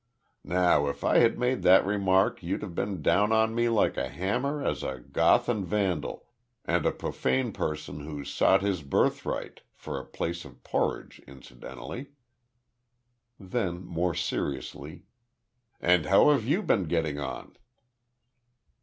"Now, if I had made that remark you'd have been down on me like a hammer as a Goth and a Vandal, and a profane person who'd sold his birthright for a plate of porridge, incidentally." Then, more seriously, "And how have you been getting on?"